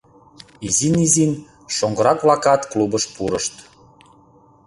Изин-изин шоҥгырак-влакат клубыш пурышт.